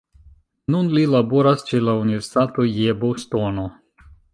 Nun li laboras ĉe la Universitato je Bostono.